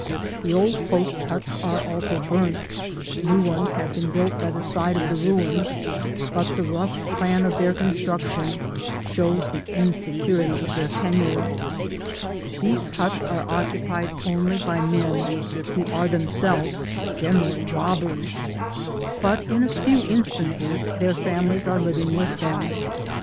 The old post^huts are also burnt— ^lew ones have been built by the side of die ruins, but the rough plan of thor construction shows the inseou^ pity of thrir tenure. These huts are occuped only by m^ who are themselves generally robbers, but Digitized byGoogk 88 THE PAMPAS; in a few instances their families are living with thetn.